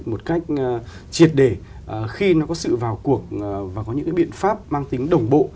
một cách triệt để khi nó có sự vào cuộc và có những cái biện pháp mang tính đồng bộ